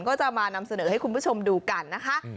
ก็จะมานำเสนอให้คุณผู้ชมดูกันนะคะ